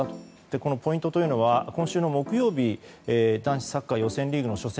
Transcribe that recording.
このポイントというのは今週の木曜日男子サッカー予選リーグの初戦